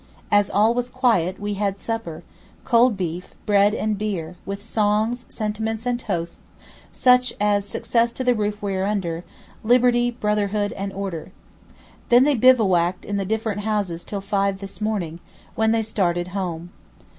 As all was quiet, we had supper—cold beef, bread and beer—with songs, sentiments and toasts, such as "Success to the roof we are under," "Liberty, brotherhood and order." Then they bivouacked in the different houses till five this morning, when they started home.